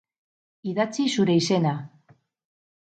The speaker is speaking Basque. Idatzi zure izena.